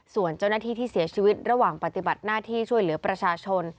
ส่วนเจ้าหน้าที่ที่เสียชีวิตระหว่างปฏิบัติหน้าที่ช่วยเหลือประชาชน